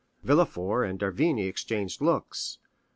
Villefort and d'Avrigny exchanged looks.